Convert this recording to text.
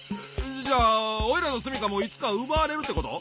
じゃおいらのすみかもいつかうばわれるってこと？